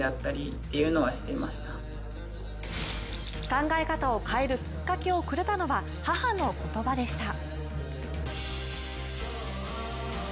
考え方を変えるきっかけをくれたのは、母の言葉でした。